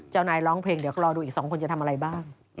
เจ้านายร้องเพลงเดี๋ยวรอดูอีก๒คนจะทำอะไรบ้าง